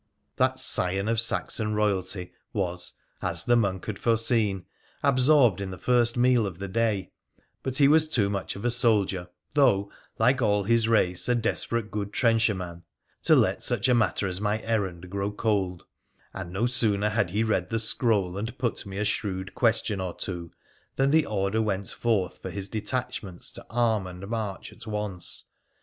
That scion of Saxon royalty was, as the monk had fore seen, absorbed in the first meal of the day, but he was too much of a soldier, though, like all his race, a desperate good trencherman, to let such a matter as my errand grow cold, and no sooner had he read the scroll and put me a shrewd question or two than the order went forth for his detachments to arm and march at once.